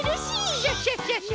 クシャシャシャシャ！